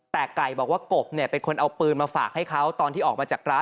แต่ไก่บอกว่ากบเนี่ยเป็นคนเอาปืนมาฝากให้เขาตอนที่ออกมาจากร้าน